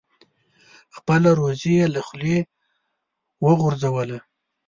خپله روزي یې له خولې وغورځوله.